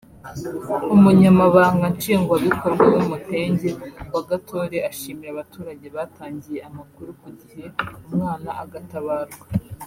umunyamabanga nshingwabikorwa w’umutenge wa Gatore ashimira abaturage batangiye amakuru ku gihe umwana agatabarwa